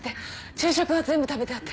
昼食は全部食べてあって。